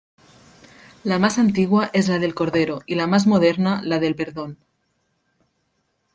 La más antigua es la del Cordero y la más moderna, la del Perdón.